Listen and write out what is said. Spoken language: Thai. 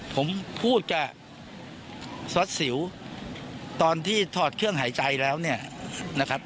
ผมพูดกับซอสสิวตอนที่ถอดเครื่องหายใจแล้วเนี่ยนะครับ